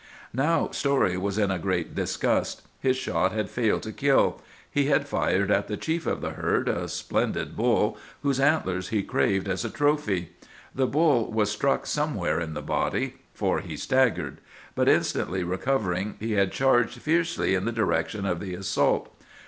"Now Story was in a great disgust. His shot had failed to kill. He had fired at the chief of the herd, a splendid bull, whose antlers he craved as a trophy. The bull was struck somewhere in the body, for he staggered; but instantly recovering, he had charged fiercely in the direction of the assault.